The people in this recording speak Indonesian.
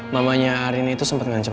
mamanya arin itu sempat ngancam